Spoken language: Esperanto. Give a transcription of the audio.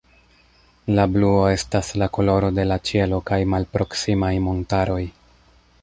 La bluo estas la koloro de la ĉielo kaj malproksimaj montaroj.